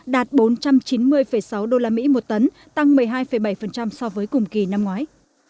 đạt bốn trăm chín mươi sáu usd một tấn tăng một mươi hai bảy so với cùng kỳ năm ngoái